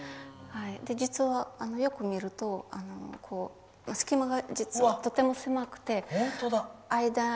実はよく見ると隙間がとても狭くて。